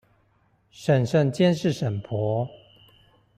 嬸嬸監視嬸婆